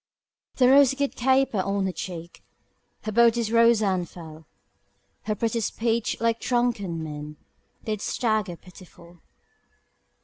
The rose did caper on her cheek, Her bodice rose and fell, Her pretty speech, like drunken men, Did stagger pitiful.